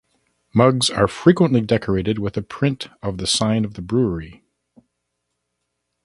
Mugs are frequently decorated with a print of the sign of the brewery.